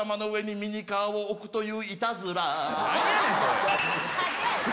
ミニカーを置くといういたずら何やねんそれ！